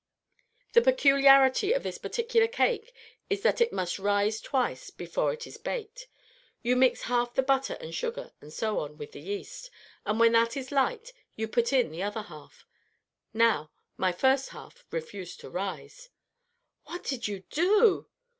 The peculiarity of this particular cake is that it must rise twice before it is baked. You mix half the butter and sugar, and so on, with the yeast; and when that is light, you put in the other half. Now, my first half refused to rise." "What did you do?"